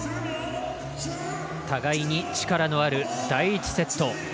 互いに力のある第１セット。